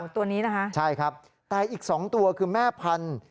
ตัวนี้นะคะใช่ครับแต่อีก๒ตัวคือแม่พันธุ